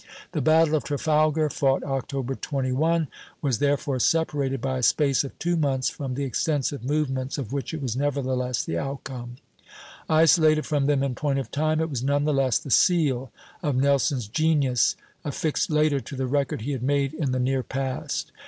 The battle of Trafalgar, fought October 21, was therefore separated by a space of two months from the extensive movements of which it was nevertheless the outcome. Isolated from them in point of time, it was none the less the seal of Nelson's genius, affixed later to the record he had made in the near past.